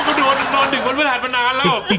ก็ดูวันนอนถึงวันวิหารมานานแล้ว